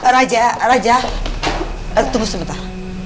raja raja tunggu sebentar